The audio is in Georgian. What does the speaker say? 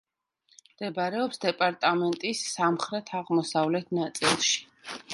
მდებარეობს დეპარტამენტის სამხრეთ-აღმოსავლეთ ნაწილში.